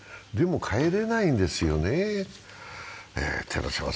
でも帰れないんですよね。